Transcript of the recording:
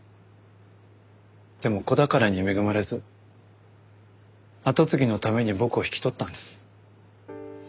でも子宝に恵まれず後継ぎのために僕を引き取ったんです。